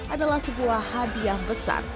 adalah sebuah hadiah besar